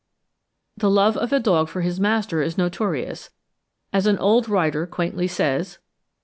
The love of a dog for his master is notorious; as an old writer quaintly says (9.